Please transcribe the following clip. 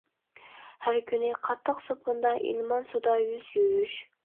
ھەر كۈنى قاتتىق سوپۇندا ئىلمان سۇدا يۈز يۇيۇش.